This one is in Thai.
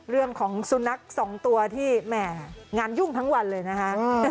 เรื่องของสุนัขสองตัวที่แหม่งานยุ่งทั้งวันเลยนะคะ